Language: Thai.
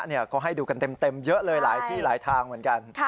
เขาให้ดูกันเต็มเยอะเลยหลายที่หลายทางเหมือนกัน